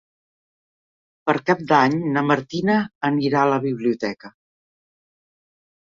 Per Cap d'Any na Martina anirà a la biblioteca.